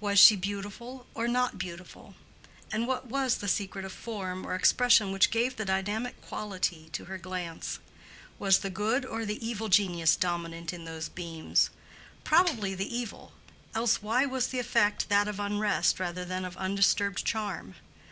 Was she beautiful or not beautiful? and what was the secret of form or expression which gave the dynamic quality to her glance? Was the good or the evil genius dominant in those beams? Probably the evil; else why was the effect that of unrest rather than of undisturbed charm?